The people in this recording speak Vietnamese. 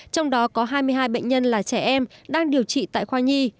trong đó có hai mươi hai bệnh nhân là trẻ em đang điều trị tại khoa nhi